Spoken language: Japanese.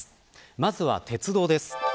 まずは鉄道です。